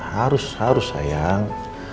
harus harus sayang